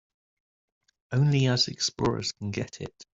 Only us explorers can get it.